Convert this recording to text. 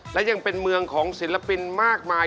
และยังเป็นเมืองของศิลปินมากมาย